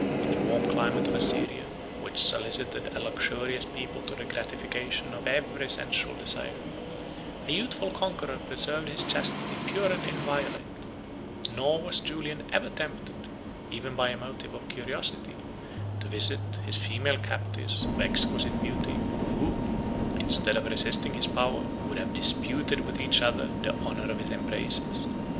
59 In the warm climate of Assyria, which solicited a luxurious people to the gratification of every sensual desire, 60 a youthful conqueror preserved his chastity pure and inviolate; nor was Julian ever tempted, even by a motive of curiosity, to visit his female captives of exquisite beauty, 61 who, instead of resisting his power, would have disputed with each other the honor of his embraces.